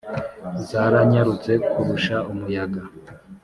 zaranyarutse kurusha umuyaga.